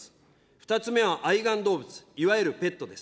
２つ目は愛玩動物、いわゆるペットです。